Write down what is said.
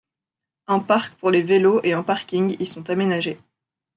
Un parc pour les vélos et un parking y sont aménagés.